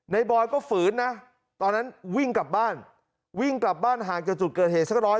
บอยก็ฝืนนะตอนนั้นวิ่งกลับบ้านวิ่งกลับบ้านห่างจากจุดเกิดเหตุสักร้อย